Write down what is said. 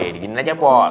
begini aja pak